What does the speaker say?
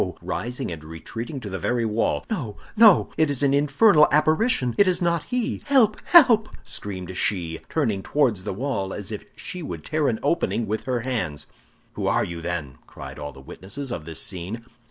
rising and retreating to the very wall. "No, no! it is an infernal apparition! It is not he! Help, help!" screamed she, turning towards the wall, as if she would tear an opening with her hands. "Who are you, then?" cried all the witnesses of this scene.